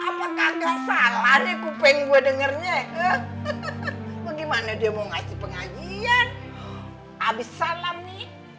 apakah salahnya kupeng gue dengernya gimana dia mau ngasih pengajian habis salami